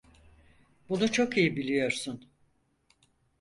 Bunu çok iyi biliyorsun.